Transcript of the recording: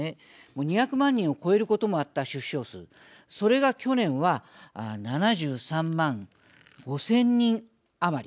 ２００万人を超えることもあった出生数それが去年は７３万５０００人余り。